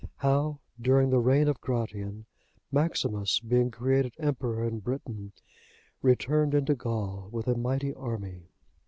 IX. How during the reign of Gratian, Maximus, being created Emperor in Britain, returned into Gaul with a mighty army.